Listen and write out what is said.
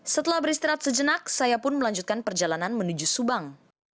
setelah beristirahat sejenak saya pun melanjutkan perjalanan menuju subang